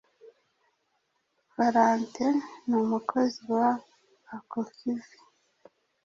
Valentin ni umukozi wa Acokivi.